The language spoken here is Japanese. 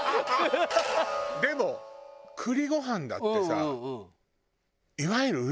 でも栗ご飯だってさ